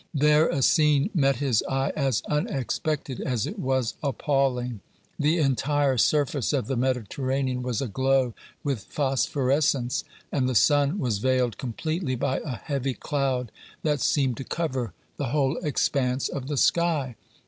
There a scene met his eye as unexpected as it was appalling. The entire surface of the Mediterranean was aglow with phosphorescence, and the sun was veiled completely by a heavy cloud that seemed to cover the whole expanse of the sky.